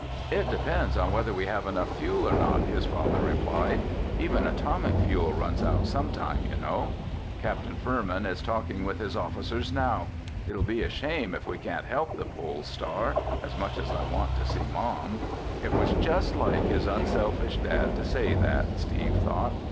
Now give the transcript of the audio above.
"It depends on whether we have enough fuel or not," his father replied. "Even atomic fuel runs out sometime, you know. Captain Furman is talking with his officers now. It'll be a shame if we can't help the Pole Star—as much as I want to see Mom." It was just like his unselfish dad to say that, Steve thought.